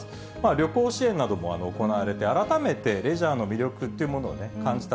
旅行支援なども行われて、改めてレジャーの魅力っていうものを感じた